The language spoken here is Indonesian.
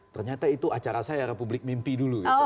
ternyata itu acara saya republik mimpi dulu